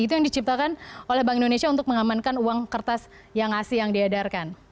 itu yang diciptakan oleh bank indonesia untuk mengamankan uang kertas yang ngasih yang diedarkan